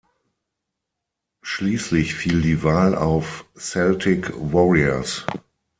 Schließlich fiel die Wahl auf "Celtic Warriors".